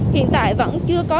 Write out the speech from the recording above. hiện tại vẫn chưa có